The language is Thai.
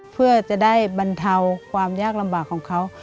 เพื่อจะได้บรรเทาความยากลำบากของเขา